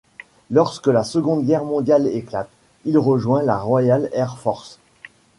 Lorsque la seconde Guerre mondiale éclate, il rejoint la Royal Air Force.